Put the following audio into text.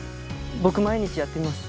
僕毎日やってみます。